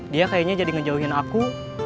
dia kayaknya jadi ngejauhin aku